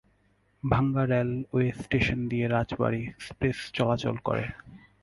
ভাঙ্গা railway station দিয়ে Rajbari express চলাচল করে।